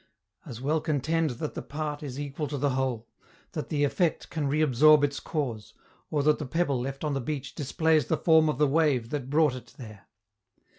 As well contend that the part is equal to the whole, that the effect can reabsorb its cause, or that the pebble left on the beach displays the form of the wave that brought it there.